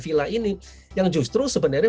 villa ini yang justru sebenarnya